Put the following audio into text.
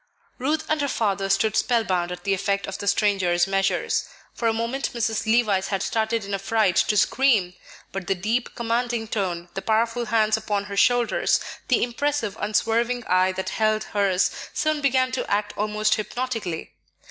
Ruth and her father stood spell bound at the effect of the stranger's measures. For a moment Mrs. Levice had started in affright to scream; but the deep, commanding tone, the powerful hands upon her shoulders, the impressive, unswerving eye that held hers, soon began to act almost hypnotically.